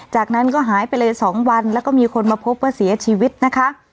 จากนั้นก็หายไปเลย๒วันแล้วก็มีคนมาพบว่าเสียชีวิตนะคะ